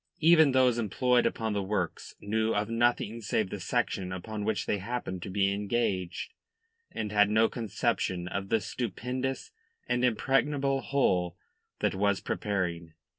Even those employed upon the works knew of nothing save the section upon which they happened to be engaged, and had no conception of the stupendous and impregnable whole that was preparing.